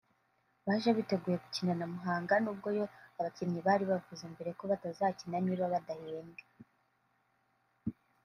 Baje biteguye gukina na Muhanga n’ubwo yo abakinnyi bari bavuze mbere ko batazakina niba badahembwe